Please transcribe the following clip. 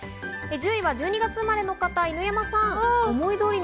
１０位は１２月生まれの方、犬山さん。